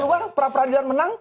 keluar pra peradilan menang